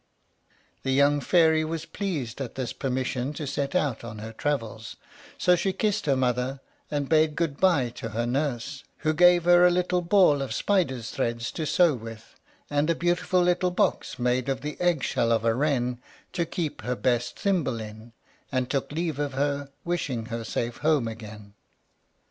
The young Fairy was pleased at this permission to set out on her travels; so she kissed her mother, and bade good by to her nurse, who gave her a little ball of spiders' threads to sew with, and a beautiful little box, made of the egg shell of a wren, to keep her best thimble in, and took leave of her, wishing her safe home again.